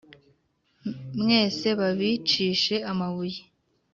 Mwese babicishe amabuye